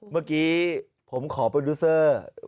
เมื่อกี้ผมขอโปรดิวเซอร์